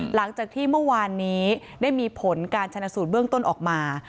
หลังจากที่เมื่อวานนี้ได้มีผลการชนะสูตรเบื้องต้นออกมา